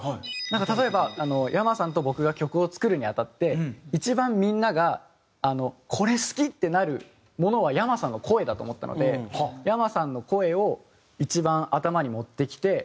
例えばｙａｍａさんと僕が曲を作るに当たって一番みんなが「これ好き！」ってなるものはｙａｍａさんの声だと思ったのでｙａｍａさんの声を一番頭に持ってきてもう。